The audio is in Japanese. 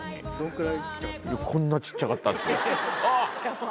こんな小っちゃかったんですよあぁ！